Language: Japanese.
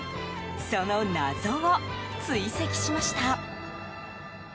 その謎を追跡しました！